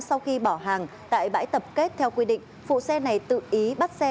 sau khi bỏ hàng tại bãi tập kết theo quy định phụ xe này tự ý bắt xe